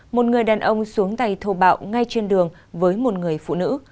một người đàn ông xuống tay thô bạo ngay trên đường với một người phụ nữ